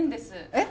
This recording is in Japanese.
えっ？